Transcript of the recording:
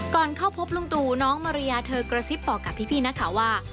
ก่อนเข้าพบลุงตู่น้องมาริยาเธอกระซิบบอกกับพี่นักข่าวว่า